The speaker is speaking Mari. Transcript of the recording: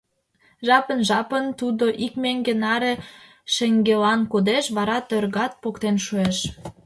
Жапын-жапын тудо ик меҥге наре шеҥгелан кодеш, вара тӧргат, поктен шуэш.